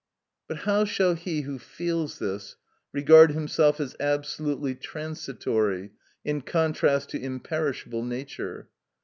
But how shall he who feels this, regard himself as absolutely transitory, in contrast to imperishable nature?